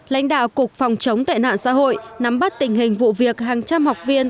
lãnh đạo cục phòng chống tệ nạn xã hội nắm bắt tình hình vụ việc hàng trăm học viên